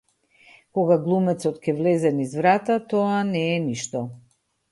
Кога глумецот ќе влезе низ врата, тоа не е ништо.